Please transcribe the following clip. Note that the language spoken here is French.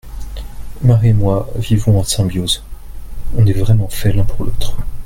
Marie et moi vivons en symbiose, on est vraiment faits l’un pour l’autre.